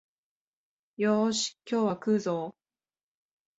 よーし、今日は食うぞお